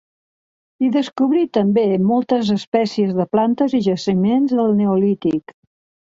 Hi descobrí també moltes espècies de plantes i jaciments del Neolític.